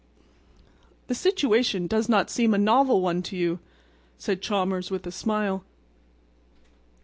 "The situation does not seem a novel one to you," said Chalmers with a smile.